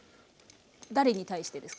誰に対してですか？